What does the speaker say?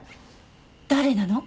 誰なの？